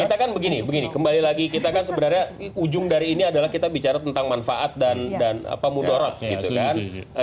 kita kan begini begini kembali lagi kita kan sebenarnya ujung dari ini adalah kita bicara tentang manfaat dan mudarat gitu kan